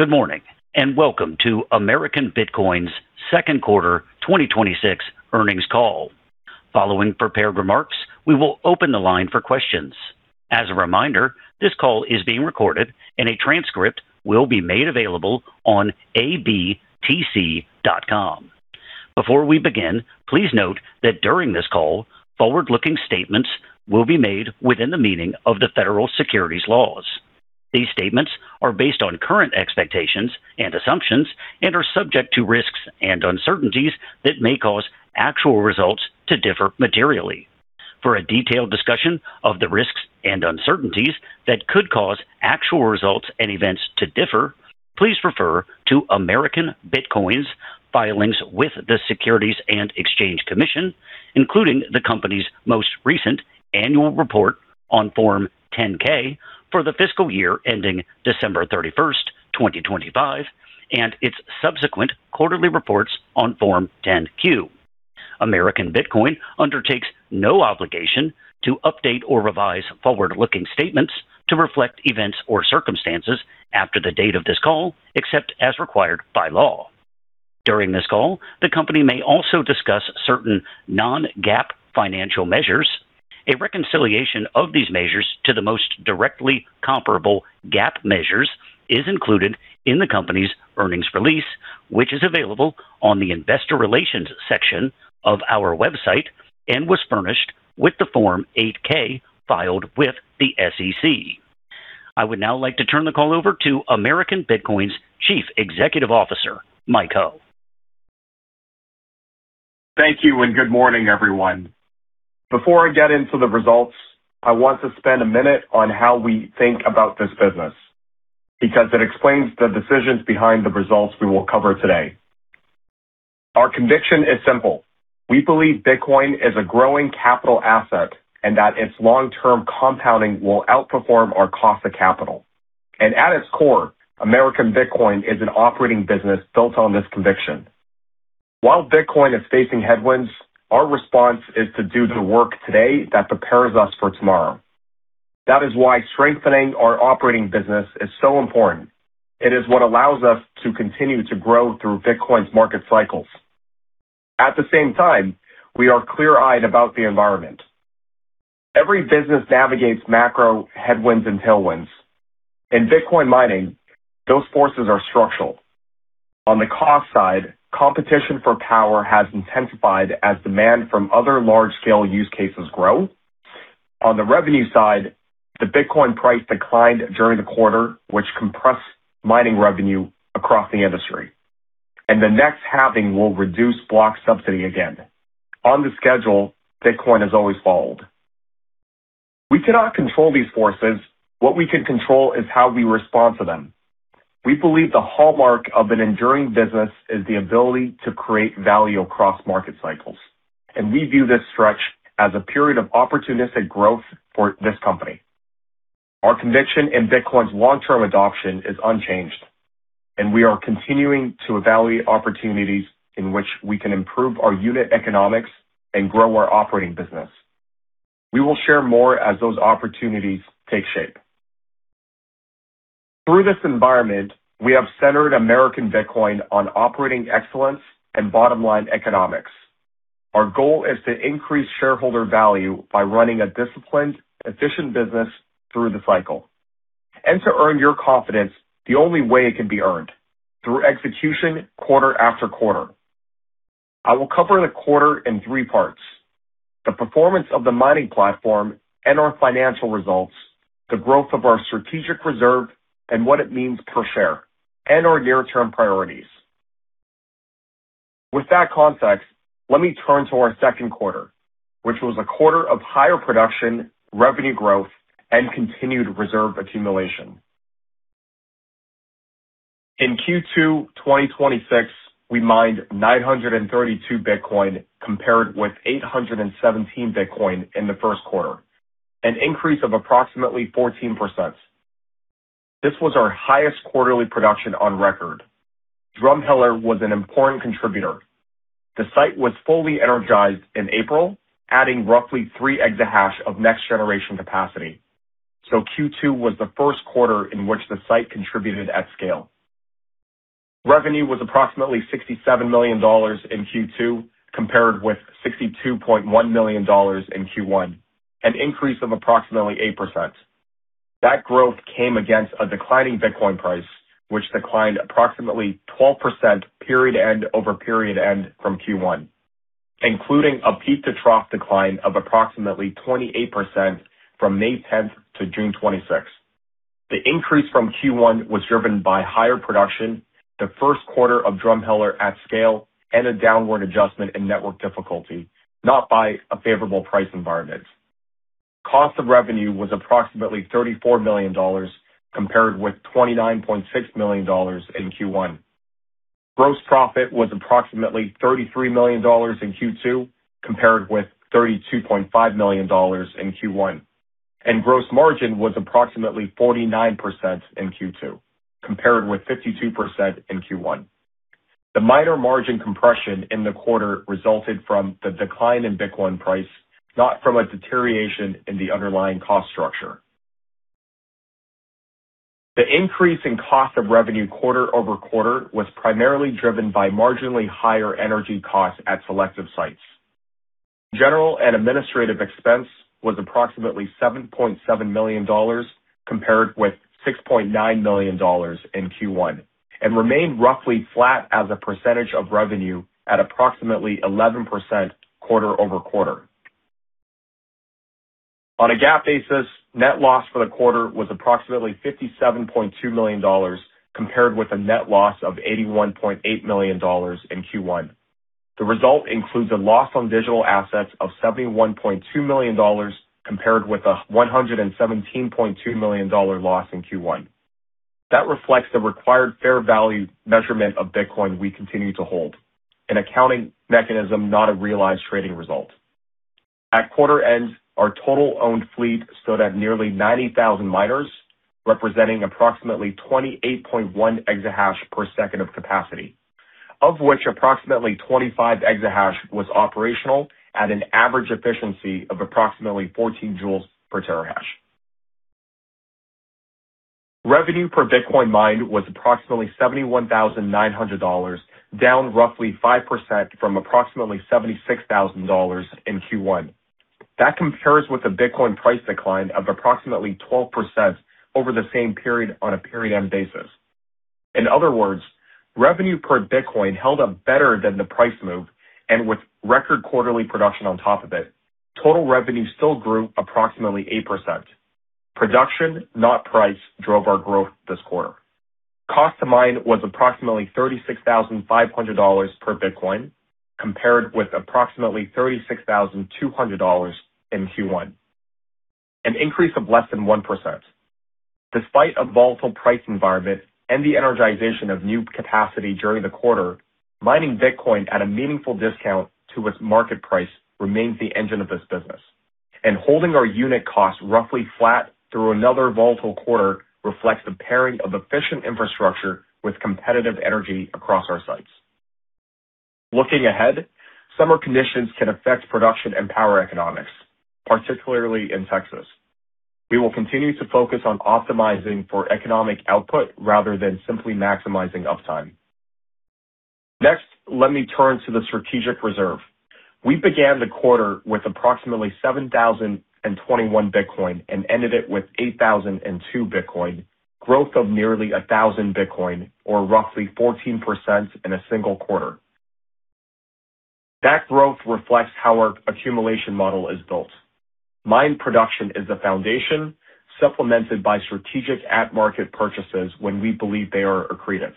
Good morning, welcome to American Bitcoin's Second Quarter 2026 Earnings Call. Following prepared remarks, we will open the line for questions. As a reminder, this call is being recorded, and a transcript will be made available on abtc.com. Before we begin, please note that during this call, forward-looking statements will be made within the meaning of the federal securities laws. These statements are based on current expectations and assumptions and are subject to risks and uncertainties that may cause actual results to differ materially. For a detailed discussion of the risks and uncertainties that could cause actual results and events to differ, please refer to American Bitcoin's filings with the Securities and Exchange Commission, including the company's most recent annual report on Form 10-K for the fiscal year ending December 31st, 2025, and its subsequent quarterly reports on Form 10-Q. American Bitcoin undertakes no obligation to update or revise forward-looking statements to reflect events or circumstances after the date of this call, except as required by law. During this call, the company may also discuss certain non-GAAP financial measures. A reconciliation of these measures to the most directly comparable GAAP measures is included in the company's earnings release, which is available on the investor relations section of our website and was furnished with the Form 8-K filed with the SEC. I would now like to turn the call over to American Bitcoin's Chief Executive Officer, Mike Ho. Thank you, good morning, everyone. Before I get into the results, I want to spend a minute on how we think about this business because it explains the decisions behind the results we will cover today. Our conviction is simple. We believe Bitcoin is a growing capital asset and that its long-term compounding will outperform our cost of capital. At its core, American Bitcoin is an operating business built on this conviction. While Bitcoin is facing headwinds, our response is to do the work today that prepares us for tomorrow. That is why strengthening our operating business is so important. It is what allows us to continue to grow through Bitcoin’s market cycles. At the same time, we are clear-eyed about the environment. Every business navigates macro headwinds and tailwinds. In Bitcoin mining, those forces are structural. On the cost side, competition for power has intensified as demand from other large-scale use cases grow. On the revenue side, the Bitcoin price declined during the quarter, which compressed mining revenue across the industry, the next halving will reduce block subsidy again. On the schedule, Bitcoin has always followed. We cannot control these forces. What we can control is how we respond to them. We believe the hallmark of an enduring business is the ability to create value across market cycles, we view this stretch as a period of opportunistic growth for this company. Our conviction in Bitcoin’s long-term adoption is unchanged, we are continuing to evaluate opportunities in which we can improve our unit economics and grow our operating business. We will share more as those opportunities take shape. Through this environment, we have centered American Bitcoin on operating excellence and bottom-line economics. Our goal is to increase shareholder value by running a disciplined, efficient business through the cycle and to earn your confidence the only way it can be earned, through execution quarter after quarter. I will cover the quarter in three parts: the performance of the mining platform and our financial results, the growth of our strategic reserve and what it means per share, and our near-term priorities. With that context, let me turn to our second quarter, which was a quarter of higher production, revenue growth, and continued reserve accumulation. In Q2 2026, we mined 932 Bitcoin compared with 817 Bitcoin in the first quarter, an increase of approximately 14%. This was our highest quarterly production on record. Drumheller was an important contributor. The site was fully energized in April, adding roughly three exahash of next-generation capacity. Q2 was the first quarter in which the site contributed at scale. Revenue was approximately $67 million in Q2, compared with $62.1 million in Q1, an increase of approximately 8%. That growth came against a declining Bitcoin price, which declined approximately 12% period end over period end from Q1, including a peak-to-trough decline of approximately 28% from May 10th to June 26th. The increase from Q1 was driven by higher production, the first quarter of Drumheller at scale, and a downward adjustment in network difficulty, not by a favorable price environment. Cost of revenue was approximately $34 million, compared with $29.6 million in Q1. Gross profit was approximately $33 million in Q2, compared with $32.5 million in Q1, and gross margin was approximately 49% in Q2, compared with 52% in Q1. The minor margin compression in the quarter resulted from the decline in Bitcoin price, not from a deterioration in the underlying cost structure. The increase in cost of revenue quarter-over-quarter was primarily driven by marginally higher energy costs at selective sites. General and administrative expense was approximately $7.7 million, compared with $6.9 million in Q1, and remained roughly flat as a percentage of revenue at approximately 11% quarter-over-quarter. On a GAAP basis, net loss for the quarter was approximately $57.2 million, compared with a net loss of $81.8 million in Q1. The result includes a loss on digital assets of $71.2 million, compared with a $117.2 million loss in Q1. That reflects the required fair value measurement of Bitcoin we continue to hold, an accounting mechanism, not a realized trading result. At quarter end, our total owned fleet stood at nearly 90,000 miners, representing approximately 28.1 exahash per second of capacity, of which approximately 25 exahash was operational at an average efficiency of approximately 14 joules per terahash. Revenue per Bitcoin mined was approximately $71,900, down roughly 5% from approximately $76,000 in Q1. That compares with a Bitcoin price decline of approximately 12% over the same period on a period end basis. In other words, revenue per Bitcoin held up better than the price move, and with record quarterly production on top of it, total revenue still grew approximately 8%. Production, not price, drove our growth this quarter. Cost to mine was approximately $36,500 per Bitcoin, compared with approximately $36,200 in Q1, an increase of less than 1%. Despite a volatile price environment and the energization of new capacity during the quarter, mining Bitcoin at a meaningful discount to its market price remains the engine of this business. Holding our unit cost roughly flat through another volatile quarter reflects the pairing of efficient infrastructure with competitive energy across our sites. Looking ahead, summer conditions can affect production and power economics, particularly in Texas. We will continue to focus on optimizing for economic output rather than simply maximizing uptime. Next, let me turn to the strategic reserve. We began the quarter with approximately 7,021 Bitcoin and ended it with 8,002 Bitcoin, growth of nearly 1,000 Bitcoin or roughly 14% in a single quarter. That growth reflects how our accumulation model is built. Mine production is the foundation, supplemented by strategic at-market purchases when we believe they are accretive.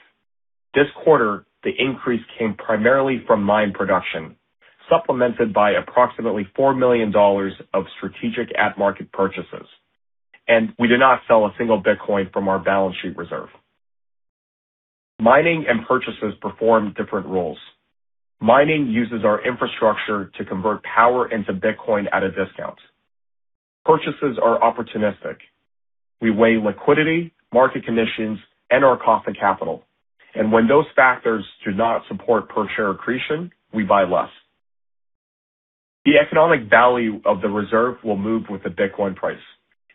This quarter, the increase came primarily from mine production, supplemented by approximately $4 million of strategic at-market purchases. We did not sell a single Bitcoin from our balance sheet reserve. Mining and purchases perform different roles. Mining uses our infrastructure to convert power into Bitcoin at a discount. Purchases are opportunistic. We weigh liquidity, market conditions, and our cost of capital. When those factors do not support per share accretion, we buy less. The economic value of the reserve will move with the Bitcoin price,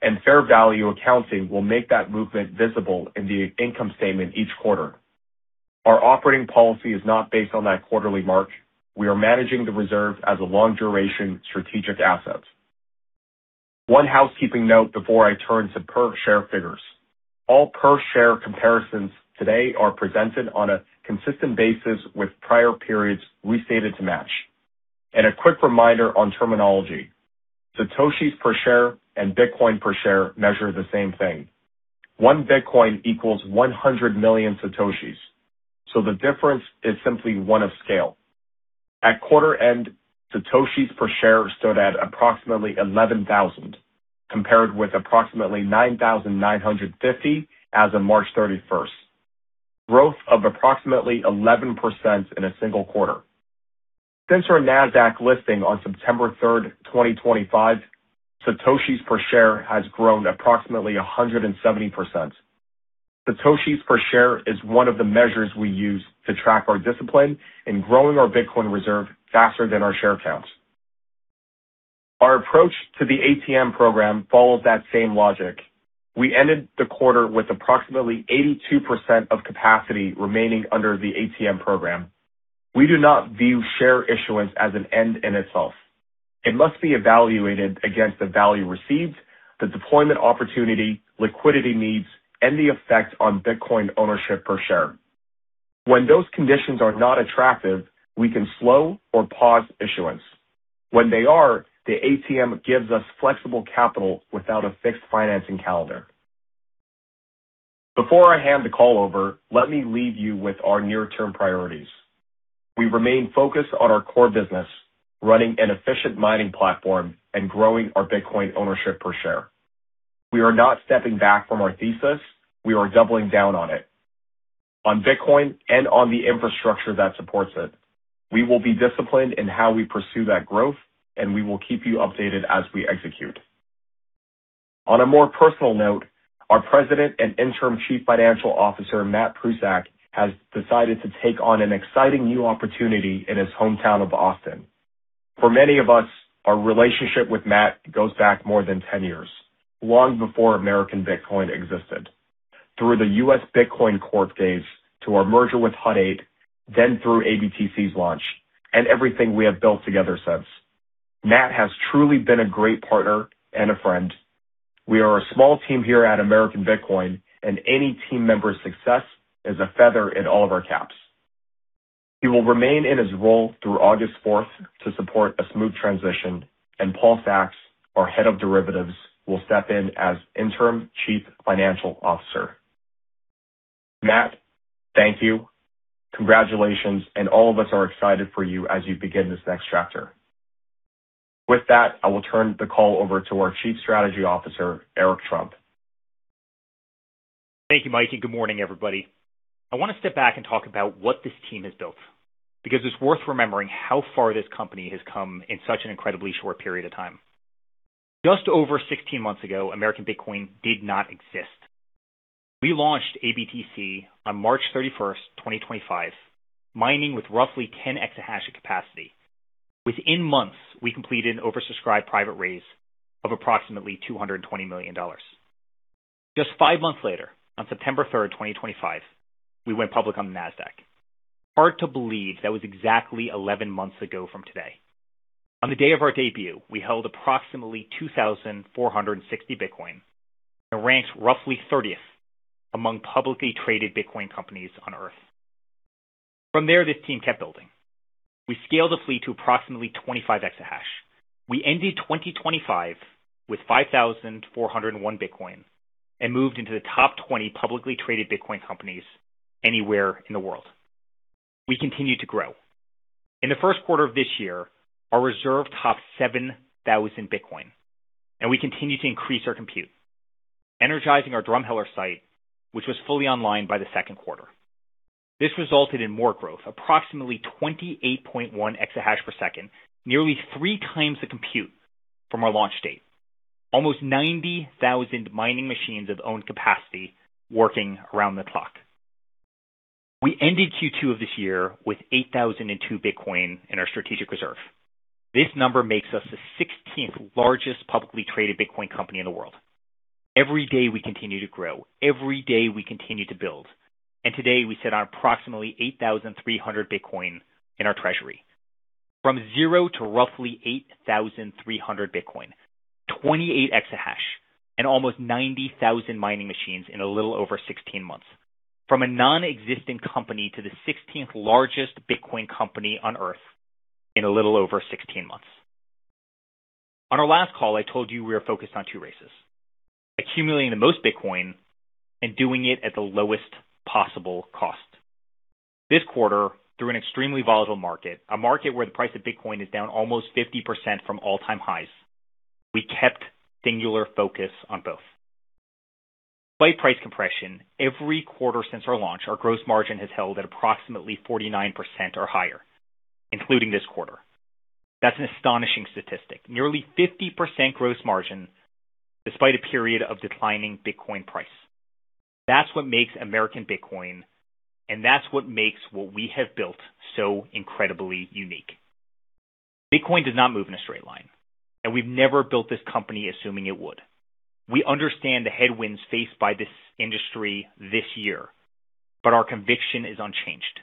and fair value accounting will make that movement visible in the income statement each quarter. Our operating policy is not based on that quarterly march. We are managing the reserve as a long-duration strategic asset. One housekeeping note before I turn to per share figures. All per share comparisons today are presented on a consistent basis with prior periods restated to match. A quick reminder on terminology. Satoshis per share and Bitcoin per share measure the same thing. One Bitcoin equals 100 million Satoshis, so the difference is simply one of scale. At quarter end, Satoshis per share stood at approximately 11,000, compared with approximately 9,950 as of March 31st, growth of approximately 11% in a single quarter. Since our NASDAQ listing on September 3rd, 2025, Satoshis per share has grown approximately 170%. Satoshis per share is one of the measures we use to track our discipline in growing our Bitcoin reserve faster than our share count. Our approach to the ATM program follows that same logic. We ended the quarter with approximately 82% of capacity remaining under the ATM program. We do not view share issuance as an end in itself. It must be evaluated against the value received, the deployment opportunity, liquidity needs, and the effect on Bitcoin ownership per share. When those conditions are not attractive, we can slow or pause issuance. When they are, the ATM gives us flexible capital without a fixed financing calendar. Before I hand the call over, let me leave you with our near-term priorities. We remain focused on our core business, running an efficient mining platform and growing our Bitcoin ownership per share. We are not stepping back from our thesis. We are doubling down on it, on Bitcoin, and on the infrastructure that supports it. We will be disciplined in how we pursue that growth, and we will keep you updated as we execute. On a more personal note, our President and Interim Chief Financial Officer, Matt Prusak, has decided to take on an exciting new opportunity in his hometown of Austin. For many of us, our relationship with Matt goes back more than 10 years, long before American Bitcoin existed. Through the US Bitcoin Corp days, to our merger with Hut 8, then through ABTC's launch, and everything we have built together since. Matt has truly been a great partner and a friend. We are a small team here at American Bitcoin, and any team member's success is a feather in all of our caps. He will remain in his role through August 4th to support a smooth transition, Paul Sacks, our Head of Derivatives, will step in as Interim Chief Financial Officer. Matt, thank you. Congratulations, all of us are excited for you as you begin this next chapter. With that, I will turn the call over to our Chief Strategy Officer, Eric Trump. Thank you, Mike, good morning, everybody. I want to step back and talk about what this team has built because it's worth remembering how far this company has come in such an incredibly short period of time. Just over 16 months ago, American Bitcoin did not exist. We launched ABTC on March 31st, 2025, mining with roughly 10 exahash in capacity. Within months, we completed an oversubscribed private raise of approximately $220 million. Just five months later, on September 3rd, 2025, we went public on the NASDAQ. Hard to believe that was exactly 11 months ago from today. On the day of our debut, we held approximately 2,460 Bitcoin and ranked roughly 30th among publicly traded Bitcoin companies on Earth. From there, this team kept building. We scaled the fleet to approximately 25 exahash. We ended 2025 with 5,401 Bitcoin and moved into the top 20 publicly traded Bitcoin companies anywhere in the world. We continued to grow. In the first quarter of this year, our reserve topped 7,000 Bitcoin, we continued to increase our compute, energizing our Drumheller site, which was fully online by the second quarter. This resulted in more growth, approximately 28.1 exahash per second, nearly 3x the compute from our launch date. Almost 90,000 mining machines of owned capacity working around the clock. We ended Q2 of this year with 8,002 Bitcoin in our strategic reserve. This number makes us the 16th largest publicly traded Bitcoin company in the world. Every day, we continue to grow. Every day, we continue to build. Today, we sit on approximately 8,300 Bitcoin in our treasury. From zero to roughly 8,300 Bitcoin, 28 exahash, almost 90,000 mining machines in a little over 16 months. From a non-existing company to the 16th largest Bitcoin company on Earth in a little over 16 months. On our last call, I told you we are focused on two races, accumulating the most Bitcoin and doing it at the lowest possible cost. This quarter, through an extremely volatile market, a market where the price of Bitcoin is down almost 50% from all-time highs, we kept singular focus on both. By price compression, every quarter since our launch, our gross margin has held at approximately 49% or higher, including this quarter. That's an astonishing statistic. Nearly 50% gross margin despite a period of declining Bitcoin price. That's what makes American Bitcoin, that's what makes what we have built so incredibly unique. Bitcoin does not move in a straight line. We've never built this company assuming it would. We understand the headwinds faced by this industry this year. Our conviction is unchanged.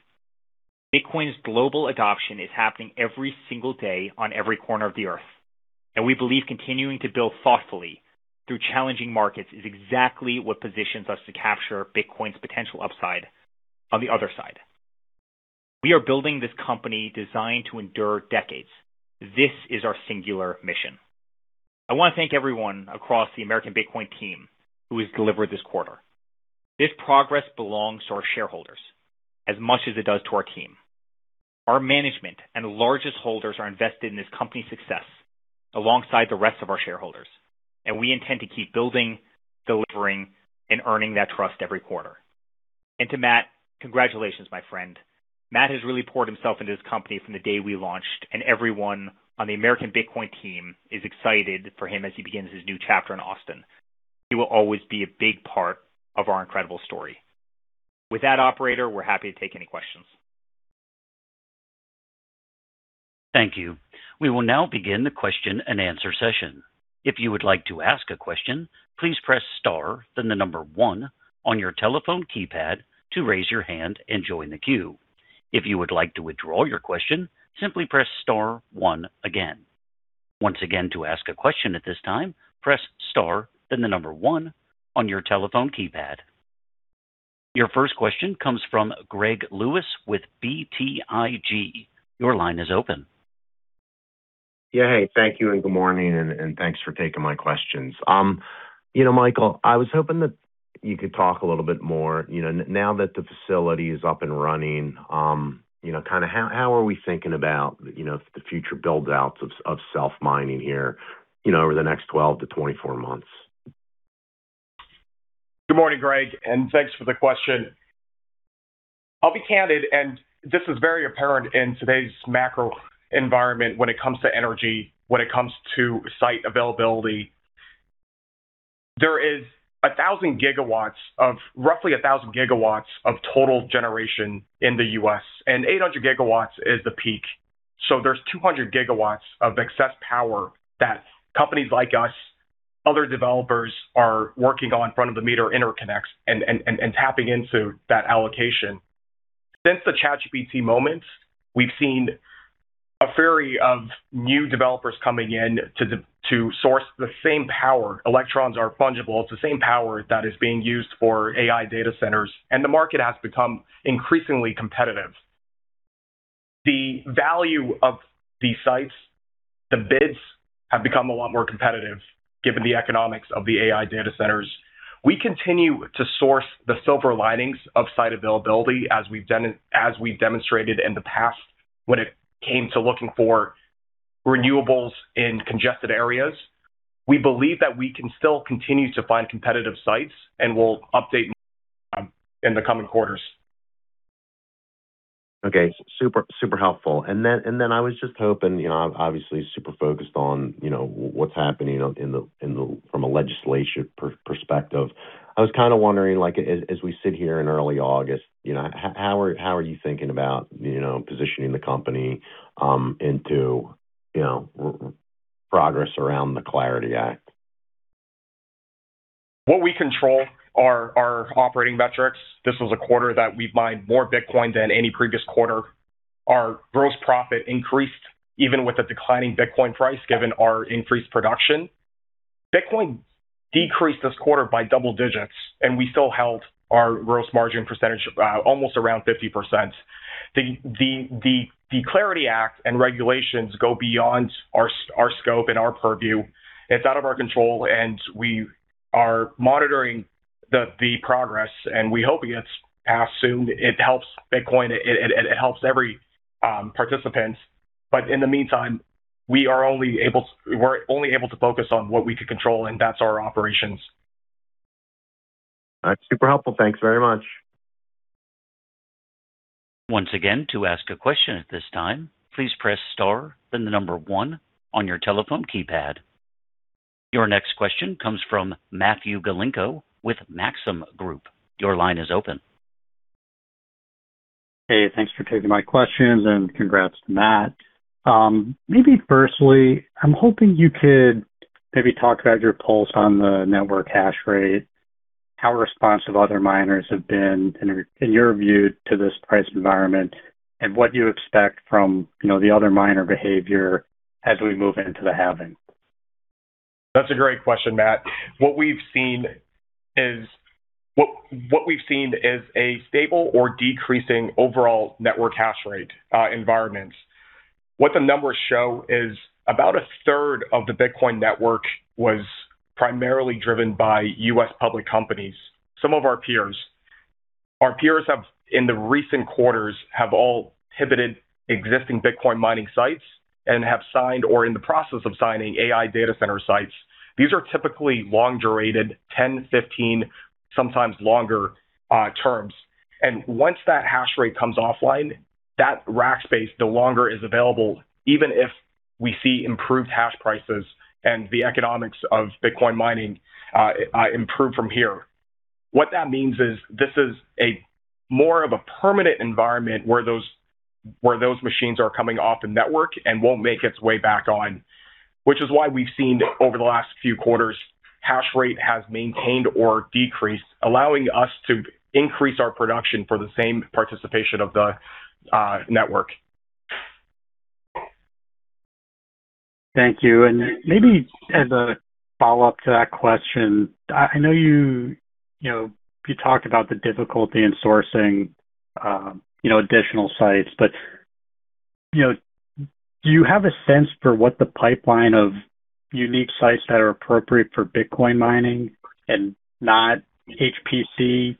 Bitcoin's global adoption is happening every single day on every corner of the Earth. We believe continuing to build thoughtfully through challenging markets is exactly what positions us to capture Bitcoin's potential upside on the other side. We are building this company designed to endure decades. This is our singular mission. I want to thank everyone across the American Bitcoin team who has delivered this quarter. This progress belongs to our shareholders as much as it does to our team. Our management and largest holders are invested in this company's success alongside the rest of our shareholders. We intend to keep building, delivering, and earning that trust every quarter. To Matt, congratulations, my friend. Matt has really poured himself into this company from the day we launched. Everyone on the American Bitcoin team is excited for him as he begins his new chapter in Austin. He will always be a big part of our incredible story. With that, operator, we're happy to take any questions. Thank you. We will now begin the question and answer session. If you would like to ask a question, please press star then the number one on your telephone keypad to raise your hand and join the queue. If you would like to withdraw your question, simply press star one again. Once again, to ask a question at this time, press star then the number one on your telephone keypad. Your first question comes from Greg Lewis with BTIG. Your line is open. Hey, thank you. Good morning, and thanks for taking my questions. Michael, I was hoping that you could talk a little bit more, now that the facility is up and running, how are we thinking about the future build-outs of self-mining here over the next 12-24 months? Good morning, Greg, and thanks for the question. I'll be candid. This is very apparent in today's macro environment when it comes to energy, when it comes to site availability. There is roughly 1,000 GW of total generation in the U.S. 800 GW is the peak. There's 200 GW of excess power that companies like us, other developers, are working on front-of-the-meter interconnects and tapping into that allocation. Since the ChatGPT moment, we've seen a flurry of new developers coming in to source the same power. Electrons are fungible. It's the same power that is being used for AI data centers. The market has become increasingly competitive. The value of these sites, the bids, have become a lot more competitive given the economics of the AI data centers. We continue to source the silver linings of site availability as we've demonstrated in the past when it came to looking for renewables in congested areas. We believe that we can still continue to find competitive sites. We'll update more in the coming quarters. Okay. Super helpful. I was just hoping, obviously super focused on what's happening from a legislation perspective. I was kind of wondering, as we sit here in early August, how are you thinking about positioning the company into progress around the CLARITY Act? What we control are our operating metrics. This was a quarter that we mined more Bitcoin than any previous quarter. Our gross profit increased even with a declining Bitcoin price, given our increased production. Bitcoin decreased this quarter by double digits. We still held our gross margin percentage almost around 50%. The CLARITY Act and regulations go beyond our scope and our purview. It's out of our control. We are monitoring the progress. We hope it gets passed soon. It helps Bitcoin. It helps every participant. In the meantime, we're only able to focus on what we could control. That's our operations. That's super helpful. Thanks very much. Once again, to ask a question at this time, please press star, then the number one on your telephone keypad. Your next question comes from Matthew Galinko with Maxim Group. Your line is open. Hey, thanks for taking my questions, and congrats to Matt. Firstly, I'm hoping you could maybe talk about your pulse on the network hash rate, how responsive other miners have been, in your view, to this price environment, and what you expect from the other miner behavior as we move into the halving. That's a great question, Matt. What we've seen is a stable or decreasing overall network hash rate environment. What the numbers show is about a third of the Bitcoin network was primarily driven by U.S. public companies, some of our peers. Our peers have, in the recent quarters, have all pivoted existing Bitcoin mining sites and have signed or are in the process of signing AI data center sites. These are typically long-durated, 10, 15, sometimes longer terms. Once that hash rate comes offline, that rack space no longer is available, even if we see improved hashprice and the economics of Bitcoin mining improve from here. What that means is this is a more of a permanent environment where those machines are coming off the network and won't make its way back on. We've seen over the last few quarters, hash rate has maintained or decreased, allowing us to increase our production for the same participation of the network. Thank you. Maybe as a follow-up to that question, I know you talked about the difficulty in sourcing additional sites, but do you have a sense for what the pipeline of unique sites that are appropriate for Bitcoin mining and not HPC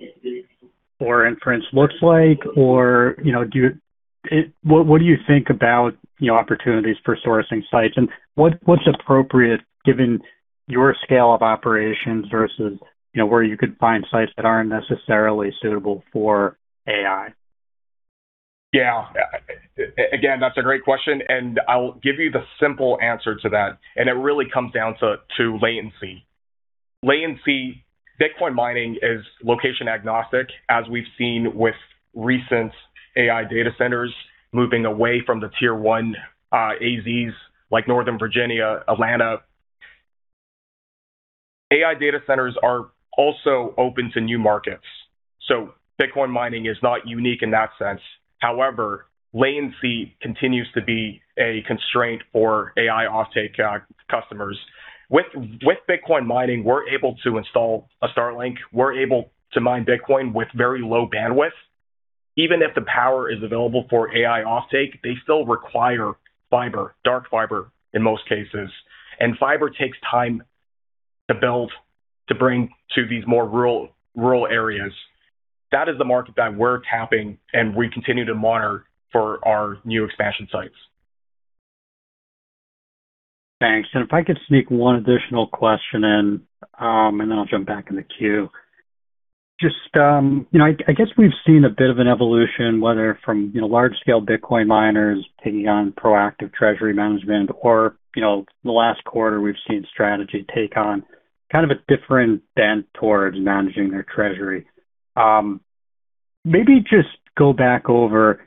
or inference looks like? What do you think about opportunities for sourcing sites, and what's appropriate given your scale of operations versus where you could find sites that aren't necessarily suitable for AI? Again, that's a great question, I'll give you the simple answer to that, it really comes down to latency. Latency, Bitcoin mining is location agnostic, as we've seen with recent AI data centers moving away from the Tier 1 AZs like Northern Virginia, Atlanta. AI data centers are also open to new markets, so Bitcoin mining is not unique in that sense. However, latency continues to be a constraint for AI offtake customers. With Bitcoin mining, we're able to install a Starlink. We're able to mine Bitcoin with very low bandwidth. Even if the power is available for AI offtake, they still require fiber, dark fiber in most cases. Fiber takes time to build to bring to these more rural areas. That is the market that we're tapping and we continue to monitor for our new expansion sites. Thanks. If I could sneak one additional question in, then I'll jump back in the queue. We've seen a bit of an evolution, whether from large-scale Bitcoin miners taking on proactive treasury management or, the last quarter, we've seen MicroStrategy take on kind of a different bent towards managing their treasury. Maybe just go back over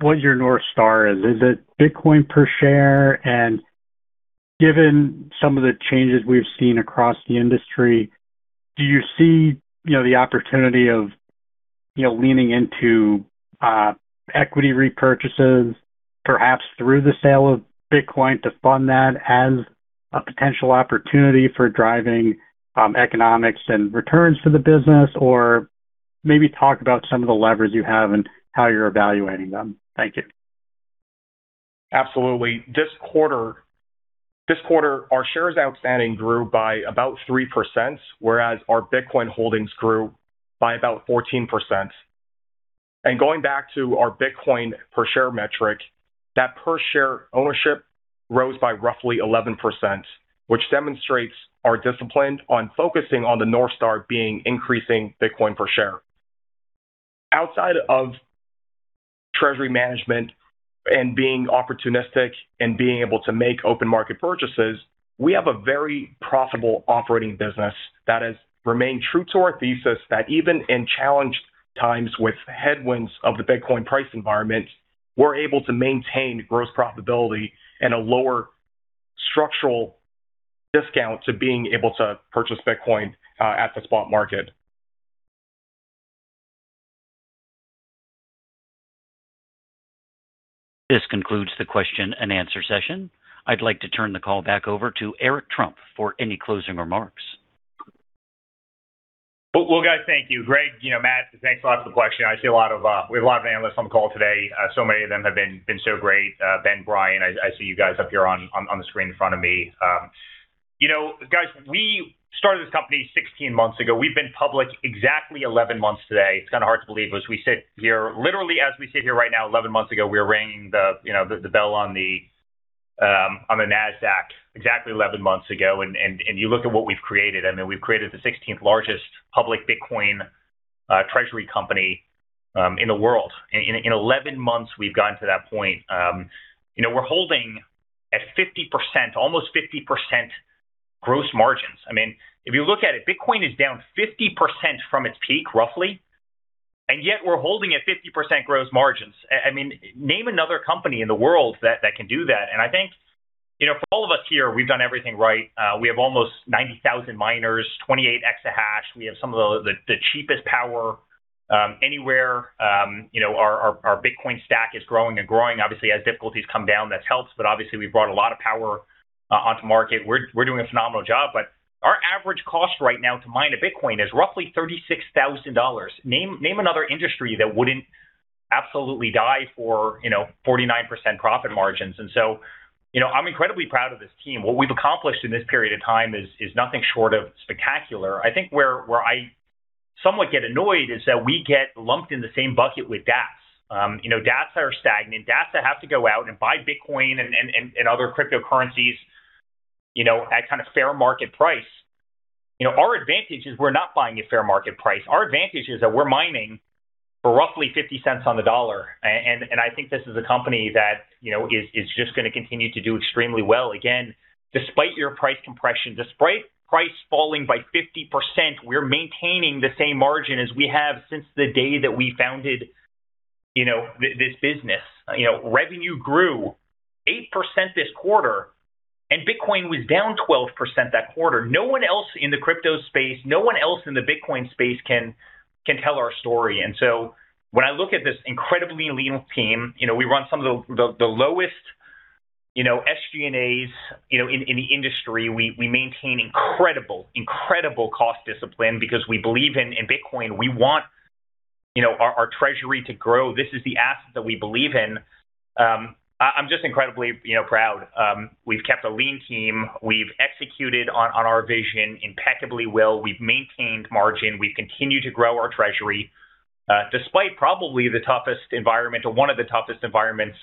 what your North Star is. Is it Bitcoin per share? Given some of the changes we've seen across the industry, do you see the opportunity of leaning into equity repurchases, perhaps through the sale of Bitcoin to fund that as a potential opportunity for driving economics and returns for the business? Maybe talk about some of the levers you have and how you're evaluating them. Thank you. Absolutely. This quarter, our shares outstanding grew by about 3%, whereas our Bitcoin holdings grew by about 14%. Going back to our Bitcoin per share metric, that per share ownership rose by roughly 11%, which demonstrates our discipline on focusing on the North Star being increasing Bitcoin per share. Outside of treasury management and being opportunistic and being able to make open market purchases, we have a very profitable operating business that has remained true to our thesis that even in challenged times with headwinds of the Bitcoin price environment, we're able to maintain gross profitability and a lower structural discount to being able to purchase Bitcoin at the spot market. This concludes the question and answer session. I'd like to turn the call back over to Eric Trump for any closing remarks. Guys, thank you. Greg, Matt, thanks a lot for the question. We have a lot of analysts on the call today. Many of them have been so great. Ben, Brian, I see you guys up here on the screen in front of me. Guys, we started this company 16 months ago. We've been public exactly 11 months today. It's kind of hard to believe. Literally as we sit here right now, 11 months ago, we were ringing the bell on the NASDAQ exactly 11 months ago. You look at what we've created. We've created the 16th largest public Bitcoin treasury company in the world. In 11 months, we've gotten to that point. We're holding at 50%, almost 50% gross margins. If you look at it, Bitcoin is down 50% from its peak, roughly, and yet we're holding at 50% gross margins. Name another company in the world that can do that. I think, for all of us here, we've done everything right. We have almost 90,000 miners, 28 exahash. We have some of the cheapest power anywhere. Our Bitcoin stack is growing and growing. Obviously, as difficulties come down, that helps. Obviously, we've brought a lot of power onto market. We're doing a phenomenal job, but our average cost right now to mine a Bitcoin is roughly $36,000. Name another industry that wouldn't absolutely die for 49% profit margins. I'm incredibly proud of this team. What we've accomplished in this period of time is nothing short of spectacular. I think where I somewhat get annoyed is that we get lumped in the same bucket with DaaS. DaaS are stagnant. DaaS have to go out and buy Bitcoin and other cryptocurrencies, at kind of fair market price. Our advantage is we're not buying at fair market price. Our advantage is that we're mining for roughly $0.50 on the dollar. I think this is a company that is just going to continue to do extremely well. Again, despite your price compression, despite price falling by 50%, we're maintaining the same margin as we have since the day that we founded this business. Revenue grew 8% this quarter, Bitcoin was down 12% that quarter. No one else in the crypto space, no one else in the Bitcoin space can tell our story. When I look at this incredibly lean team, we run some of the lowest SG&As in the industry. We maintain incredible cost discipline because we believe in Bitcoin. We want our treasury to grow. This is the asset that we believe in. I'm just incredibly proud. We've kept a lean team. We've executed on our vision impeccably well. We've maintained margin. We've continued to grow our treasury, despite probably the toughest environment or one of the toughest environments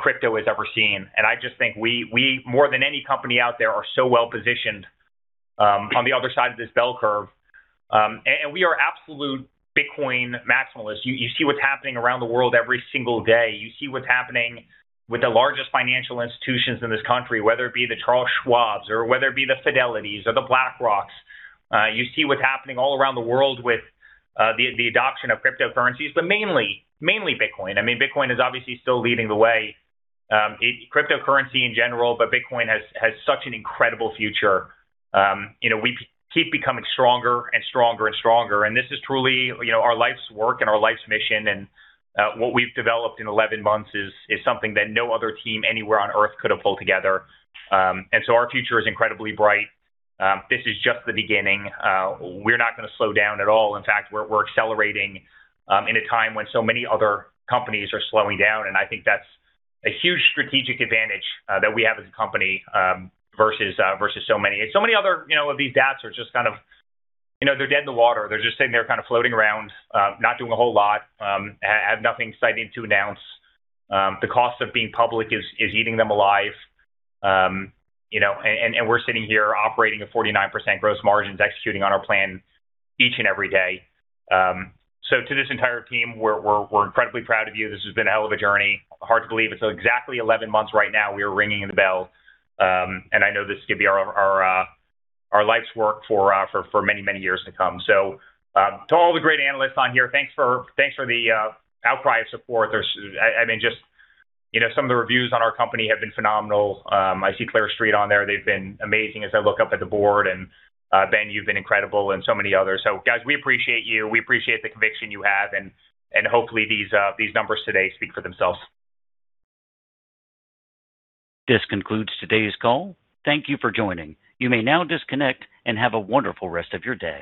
crypto has ever seen. I just think we, more than any company out there, are so well-positioned on the other side of this bell curve. We are absolute Bitcoin maximalists. You see what's happening around the world every single day. You see what's happening with the largest financial institutions in this country, whether it be the Charles Schwab or whether it be the Fidelity or the BlackRock. You see what's happening all around the world with the adoption of cryptocurrencies, but mainly Bitcoin. I mean, Bitcoin is obviously still leading the way. Cryptocurrency in general, but Bitcoin has such an incredible future. We keep becoming stronger and stronger and stronger. This is truly our life's work and our life's mission. What we've developed in 11 months is something that no other team anywhere on Earth could have pulled together. Our future is incredibly bright. This is just the beginning. We're not going to slow down at all. In fact, we're accelerating in a time when so many other companies are slowing down. I think that's a huge strategic advantage that we have as a company versus so many. So many other of these DaaS are just kind of dead in the water. They're just sitting there kind of floating around, not doing a whole lot, have nothing exciting to announce. The cost of being public is eating them alive. We're sitting here operating at 49% gross margins, executing on our plan each and every day. To this entire team, we're incredibly proud of you. This has been a hell of a journey. Hard to believe it's exactly 11 months right now we are ringing the bell. I know this is going to be our life's work for many, many years to come. To all the great analysts on here, thanks for the outcry of support. Some of the reviews on our company have been phenomenal. I see Clear Street on there. They've been amazing as I look up at the board. Ben, you've been incredible, and so many others. Guys, we appreciate you. We appreciate the conviction you have, and hopefully these numbers today speak for themselves. This concludes today's call. Thank you for joining. You may now disconnect, and have a wonderful rest of your day.